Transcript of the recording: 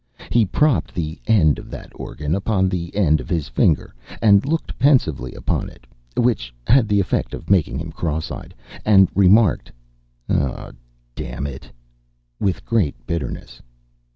He propped the end of that organ upon the end of his finger, and looked pensively upon it which had the effect of making him cross eyed and remarked, "O, damn it!" with great bitterness.